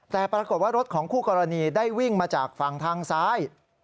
แต่ปรากฏว่ารถของคู่กรณีได้วิ่งมาจากฝั่งทางซ้าย